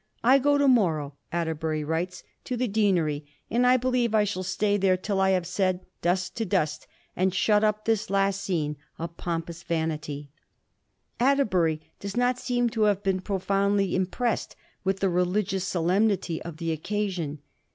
' I go to morrow,' Atterbury writes, * to the Deanery, and I believe I shall stay there till I have said dust to dust, and shut up this last scene of pompous vanity/ Atterbury does not seem to have been profoundly impressed with the religious solemnity of the occa sion.